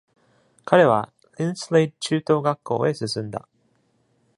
彼は、Linslade 中等学校へ進んだ。